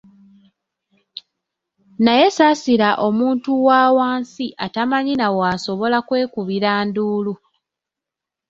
Naye saasira omuntu wa wansi atamanyi na w’asobola kwekubira nduulu!